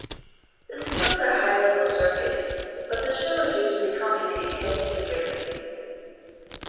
The skills are high-level circus, but the show is usually comic and character-driven.